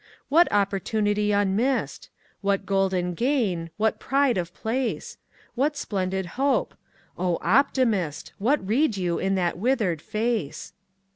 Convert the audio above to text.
What opportunity unmissed? What golden gain, what pride of place? What splendid hope? O Optimist! What read you in that withered face?